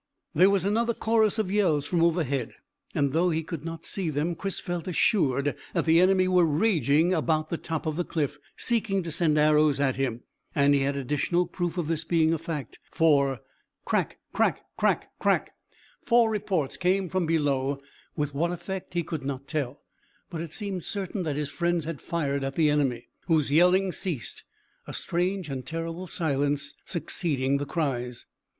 There was another chorus of yells from overhead, and though he could not see them, Chris felt assured that the enemy were raging about the top of the cliff, seeking to send arrows at him; and he had additional proof of this being a fact, for crack! crack! crack! crack! four reports came from below, with what effect he could not tell, but it seemed certain that his friends had fired at the enemy, whose yelling ceased, a strange and terrible silence succeeding the cries.